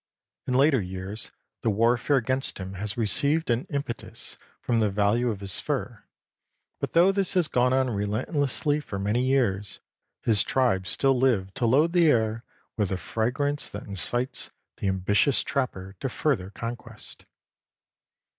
In later years the warfare against him has received an impetus from the value of his fur, but though this has gone on relentlessly for many years, his tribe still live to load the air with a fragrance that incites the ambitious trapper to further conquest.